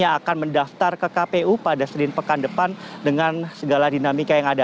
yang akan mendaftar ke kpu pada senin pekan depan dengan segala dinamika yang ada